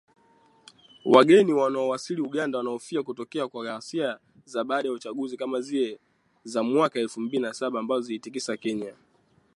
Wageni wanaowasili Uganda wanahofia kutokea tena kwa ghasia za baada ya uchaguzi kama zile za mwaka elfu mbili na saba ambazo ziliitikisa Kenya